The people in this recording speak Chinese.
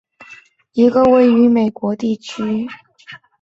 芒特希伯伦是一个位于美国阿拉巴马州马歇尔县的非建制地区。